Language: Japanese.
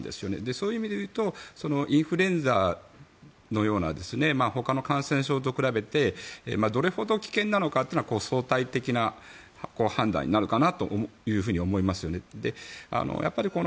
そういう意味でいうとインフルエンザのようなほかの感染症と比べてどれほど危険なのかというのは相対的な判断になるかなと思いますよね。